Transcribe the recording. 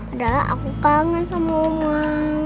adalah aku kangen sama